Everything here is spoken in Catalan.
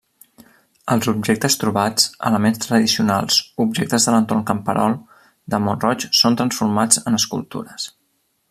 Els objectes trobats, elements tradicionals, objectes de l'entorn camperol, de Mont-roig són transformats en escultures.